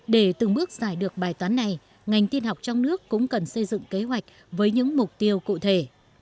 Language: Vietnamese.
để từng bước giải được bài toán này ngành tiên học trong nước cũng cần xây dựng kế hoạch với những mục tiêu cụ thể